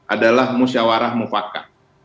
itu adalah musyawarah mufakat